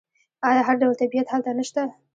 آیا هر ډول طبیعت هلته نشته؟